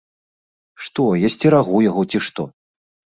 Што, я сцерагу яго, ці што?